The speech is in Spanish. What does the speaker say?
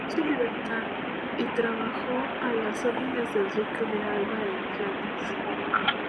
Compró su libertad y trabajó a las órdenes del Duque de Alba en Flandes.